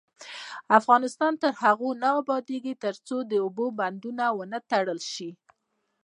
افغانستان تر هغو نه ابادیږي، ترڅو د اوبو بندونه ونه تړل شي.